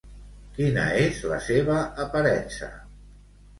Quina és la seva aparença?